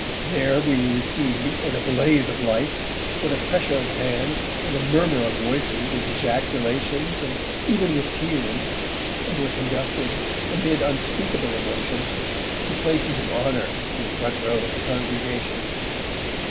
There we were received, in a blaze of lights, with a pressure of hands, with a murmur of voices, with ejaculations and even with tears, and were conducted, amid unspeakable emotion, to places of honour in the front row of the congregation.